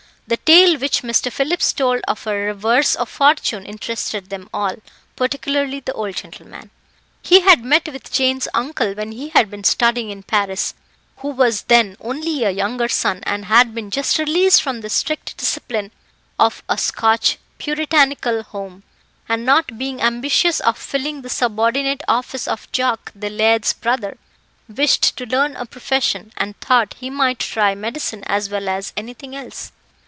The tale which Mr. Phillips told of her reverse of fortune interested them all, particularly the old gentleman. He had met with Jane's uncle when he had been studying in Paris, who was then only a younger son, and had been just released from the strict discipline of a Scotch puritanical home, and not being ambitious of filling the subordinate office of "Jock, the laird's brother," wished to learn a profession, and thought he might try medicine as well as anything else.